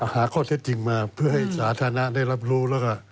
หาข้อเท็จจริงมาเพื่อให้สาธารณะได้รับรู้แล้วก็